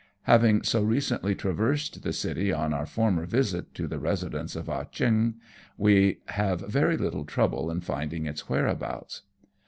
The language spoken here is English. Having so recently traversed the city on our former visit to the residence of Ah Cheong, we have very little trouble in finding its whereabouts.